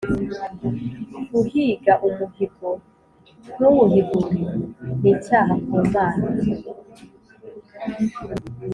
Guhiga umuhigo ntuwuhigure n’ icyaha ku imana